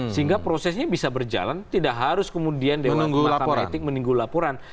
sehingga prosesnya bisa berjalan tidak harus kemudian dengan makam etik menunggu laporan